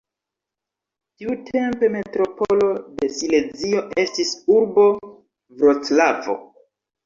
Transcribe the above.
Tiutempe metropolo de Silezio estis urbo Vroclavo.